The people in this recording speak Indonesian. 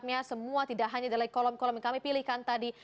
ini adalah kolom kolom yang kami pilihkan tadi